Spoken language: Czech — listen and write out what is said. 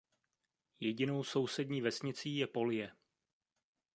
Jedinou sousední vesnicí je Polje.